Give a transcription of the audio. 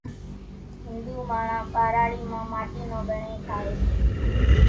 هنڌُو ماڻۿان ٻاراڙِي مان ماٽِي نو ڳڻيۿ ٺاۿيَ سي۔